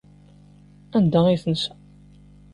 Anda ay tensa?